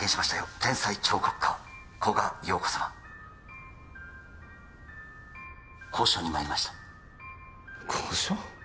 天才彫刻家・古賀洋子様交渉にまいりました交渉？